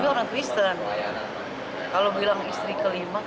kalau bilang istri kelima kita tidak mencari surat cerai